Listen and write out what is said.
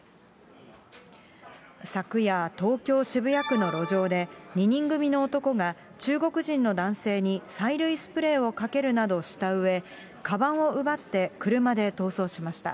昨夜、東京・渋谷区の路上で、２人組の男が中国人の男性に催涙スプレーをかけるなどしたうえ、かばんを奪って車で逃走しました。